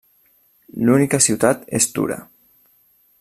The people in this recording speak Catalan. L'única ciutat és Tura.